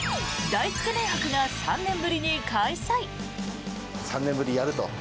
大つけ麺博が３年ぶりに開催。